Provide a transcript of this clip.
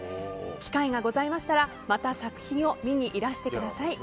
機会がございましたらまた作品を見にいらしてください。